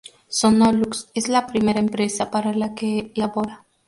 Sonolux es la primera empresa para la que labora.